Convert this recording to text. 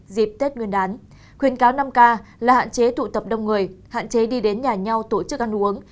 dịp tết nguyên đán khuyến cáo năm k là hạn chế tụ tập đông người hạn chế đi đến nhà nhau tổ chức ăn uống